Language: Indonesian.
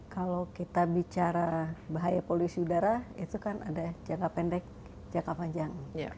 kalau kita bicara bahaya polusi udara itu kan ada jangka pendek jangka panjang